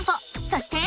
そして。